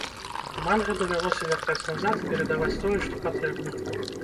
Манга давялося вяртаць назад і перадаваць тое, што патрэбна.